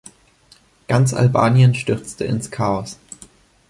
Ganz Albanien stürzte ins Chaos.